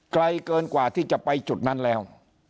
ไกลเกินกว่าที่จะไปจุดนั้นแล้ว